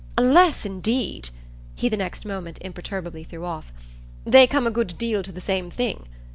Unless indeed," he the next moment imperturbably threw off, "they come a good deal to the same thing.